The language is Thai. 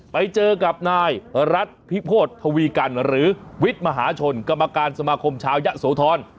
ไปเจอกับนายรัฐพิโภษทวีกันหรือวิทย์มหาชนกรรมการสมาคมชาวยะโสธร